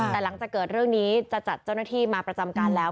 แต่หลังจากเกิดเรื่องนี้จะจัดเจ้าหน้าที่มาประจำการแล้ว